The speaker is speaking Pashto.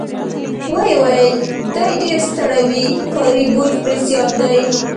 ویې ویل: دی ډېر ستړی وي، کاري بوج پرې زیات دی.